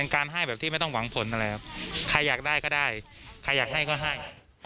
ใครอยากให้ก็ให้